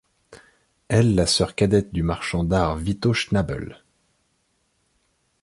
Elle la sœur cadette du marchand d'art Vito Schnabel.